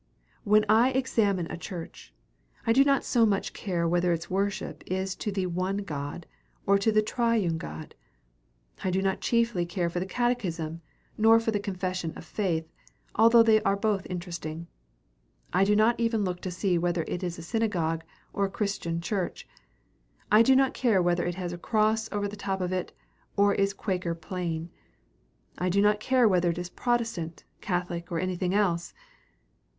When I examine a church, I do not so much care whether its worship is to the one God or to the triune God. I do not chiefly care for the catechism, nor for the confession of faith, although they are both interesting. I do not even look to see whether it is a synagogue or a Christian church I do not care whether it has a cross over the top of it or is Quaker plain. I do not care whether it is Protestant, Catholic, or anything else.